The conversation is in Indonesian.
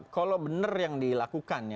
kalau benar yang dilakukan